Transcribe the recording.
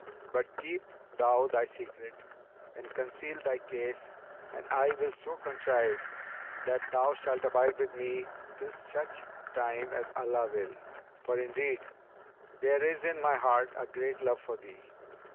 But keep thou thy secret and conceal thy case and I will so contrive that thou shalt abide with me till such time as Allah will;[FN#289] for, indeed, there is in my heart a great love for thee.